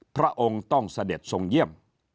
พระองค์ต้องเสด็จทรงเยี่ยม